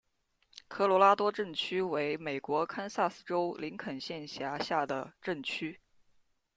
科罗拉多镇区为美国堪萨斯州林肯县辖下的镇区。